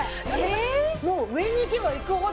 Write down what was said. もう上に行けば行くほど。